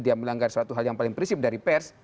dia melanggar suatu hal yang paling prinsip dari pers